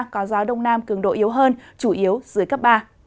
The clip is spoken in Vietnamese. có gió đông nam cường độ yếu hơn chủ yếu dưới cấp ba